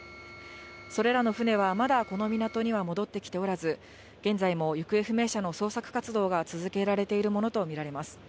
それらの船は、まだこの港には戻ってきておらず、現在も行方不明者の捜索活動が続けられているものと見られます。